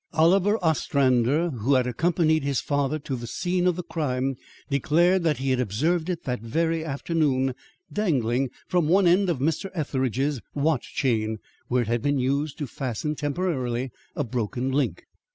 Oliver Ostrander, who had accompanied his father to the scene of crime, declared that he had observed it that very afternoon, dangling from one end of Mr. Etheridge's watch chain where it had been used to fasten temporarily a broken link.